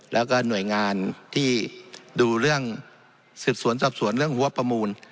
แล้วก็หน่วยงานที่ดูเรื่องสืบสวนสอบสวนเรื่องหัวประมูล